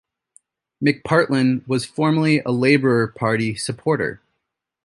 McPartlin was formerly a Labour Party supporter.